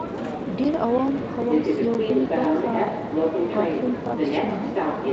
ډېر عوام او خواص یوې بلې برخې غافل پاتې شوي دي